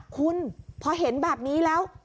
คุณพอเห็นแบบนี้แล้ว